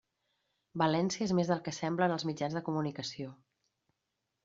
València és més del que sembla en els mitjans de comunicació.